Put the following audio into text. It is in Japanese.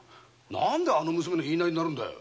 なんであの娘の言いなりになるんだよ。